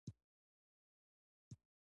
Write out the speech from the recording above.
د قدرت اړتیا دا تضاد جوړوي.